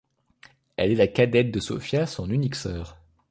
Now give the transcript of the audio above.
Elle est la cadette de Sofia, son unique sœur.